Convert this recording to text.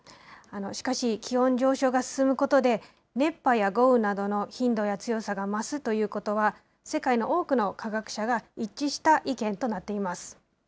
しかし、気温上昇が進むことで、熱波や豪雨などの頻度や強さが増すということは、世界の多くの科学者が一致した意見となっています。